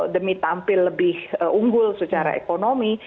demi tampil lebih unggul secara ekonomi